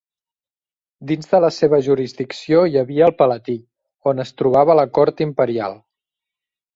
Dins de la seva jurisdicció hi havia el Palatí, on es trobava la cort imperial.